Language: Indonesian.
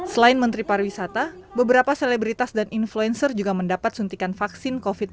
selain menteri pariwisata beberapa selebritas dan influencer juga mendapat suntikan vaksin covid sembilan belas